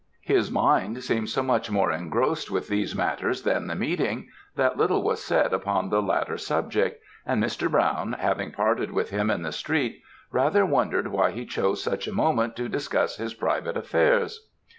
"His mind seemed so much more engrossed with these matters than the meeting, that little was said upon the latter subject, and Mr. Brown, having parted with him in the street, rather wondered why he chose such a moment to discuss his private affairs.